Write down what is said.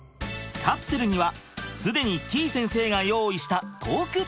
カプセルには既にてぃ先生が用意したトークテーマが！